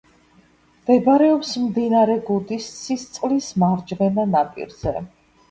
მდებარეობს მდინარე გუდისისწყლის მარჯვენა ნაპირზე.